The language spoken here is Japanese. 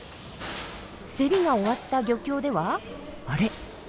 競りが終わった漁協ではあれ？